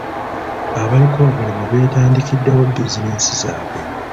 Abaliko obulemu beetandikiddewo bizinensi zaabwe.